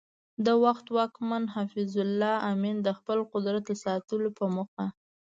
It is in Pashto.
د وخت واکمن حفیظ الله امین د خپل قدرت د ساتلو په موخه